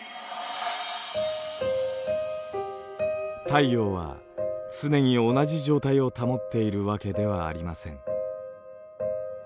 太陽は常に同じ状態を保っているわけではありません。